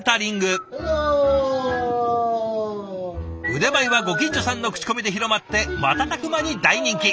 腕前はご近所さんの口コミで広まって瞬く間に大人気。